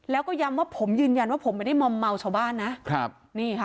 แล้วก็ย้ำว่าผมยืนยันว่าผมไม่ได้มอมเมาชาวบ้านนะครับนี่ค่ะ